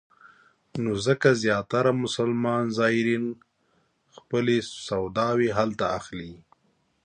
نو ځکه زیاتره مسلمان زایرین خپلې سوداوې هلته اخلي.